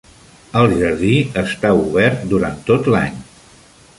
El jardí està obert durant tot l'any.